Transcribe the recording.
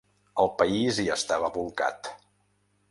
El país hi estava bolcat.